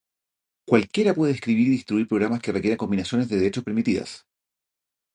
Cualquiera puede escribir y distribuir programas que requieran combinaciones de derechos permitidas.